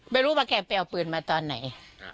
ไม่รู้ว่าแกไปเอาปืนมาตอนไหน